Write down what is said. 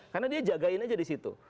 karena dia jagain aja disitu